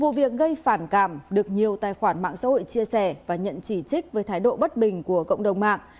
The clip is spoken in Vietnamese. vụ việc gây phản cảm được nhiều tài khoản mạng xã hội chia sẻ và nhận chỉ trích với thái độ bất bình của cộng đồng mạng